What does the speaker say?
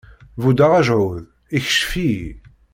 Buddeɣ ajɛuḍ, ikcef-iyi.